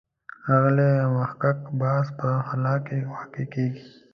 ښاغلي محق بحث په خلا کې واقع کېږي.